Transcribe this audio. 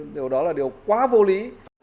điều đó là điều quá vô lý